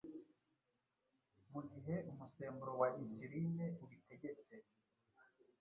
mu gihe umusemburo wa insuline ubitegetse